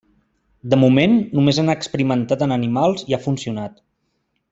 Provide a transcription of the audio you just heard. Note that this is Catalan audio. De moment, només han experimentat en animals i ha funcionat.